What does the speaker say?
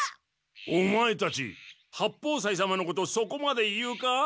オマエたち八方斎様のことそこまで言うか？